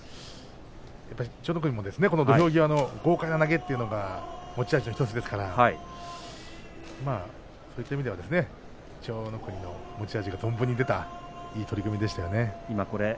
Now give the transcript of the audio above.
千代の国も土俵際の豪快な投げというのが持ち味の１つですからそういった意味では千代の国の持ち味が存分に出たいい取組でしたよね。